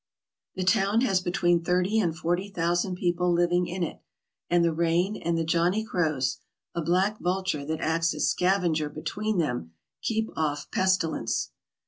The town has between thirty and forty thousand people living in it, and the rain and the Johnny crows, a black vulture that acts as scavenger between them, keep off pesti lence.